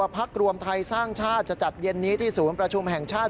พักรวมไทยสร้างชาติจะจัดเย็นนี้ที่ศูนย์ประชุมแห่งชาติ